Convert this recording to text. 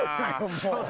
もう。